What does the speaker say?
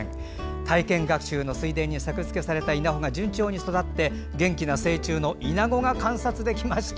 体験学習の水田に作付けされた稲穂が順調に育って元気な成虫のイナゴが観察できました。